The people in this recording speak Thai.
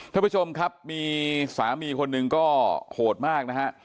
ท่านผู้ชมครับมีสามีคนหนึ่งก็โหดมากนะฮะ